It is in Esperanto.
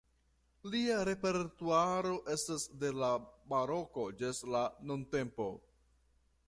Lia repertuaro estas de la baroko ĝis la nuntempo.